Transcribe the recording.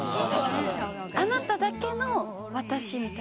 あなただけの私みたいな？